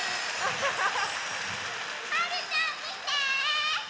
はるちゃんみて！